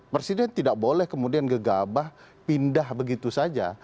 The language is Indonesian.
presiden tidak boleh kemudian gegabah pindah begitu saja